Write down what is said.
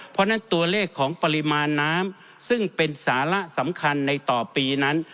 เพราะฉะนั้นตัวเลขของปริมาณน้ำซึ่งเป็นสาระสำคัญในต่อปีนั้น